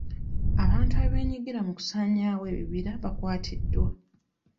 Abantu abeenyigira mu kusaanyawo ebibira bakwatiddwa.